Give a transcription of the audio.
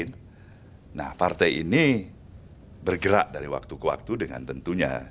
nah partai ini bergerak dari waktu ke waktu dengan tentunya